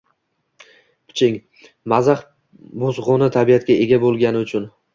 Piching, mazax buzg‘unchi tabiatga ega bo‘lgani uchun.